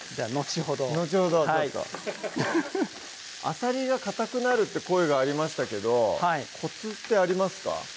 ちょっと「あさりがかたくなる」って声がありましたけどコツってありますか？